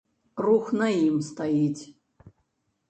Рух на ім стаіць.